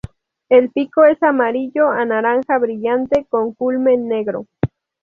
El pico es amarillo a naranja brillante, con culmen negro.